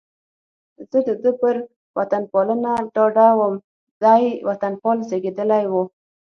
زه د ده پر وطنپالنه ډاډه وم، دی وطنپال زېږېدلی و.